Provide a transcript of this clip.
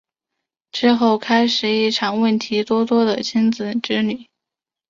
之后开始一场问题多多的亲子之旅。